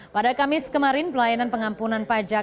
pada kamis kemarin pelayanan pengampunan pajak